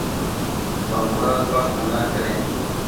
Tembûra li paş qûna kerê.